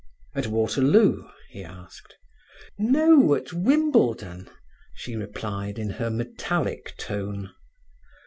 "At Waterloo?" he asked. "No, at Wimbledon," she replied, in her metallic tone.